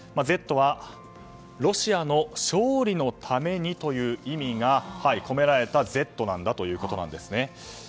「Ｚ」はロシアの勝利のためにという意味が込められた「Ｚ」なんだということです。